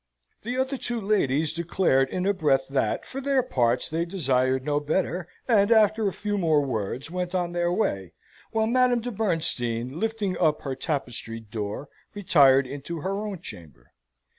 The other two ladies declared in a breath that, for their parts, they desired no better, and, after a few more words, went on their way, while Madame de Bernstein, lifting up her tapestried door, retired into her own chamber.